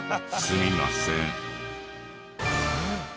すみません。